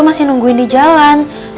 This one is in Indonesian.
masih nungguin di jalan